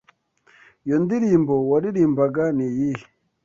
Iyo ndirimbo waririmbaga niyihe?